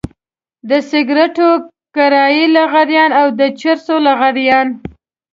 د سګرټو کرايي لغړيان او د چرسو لغړيان.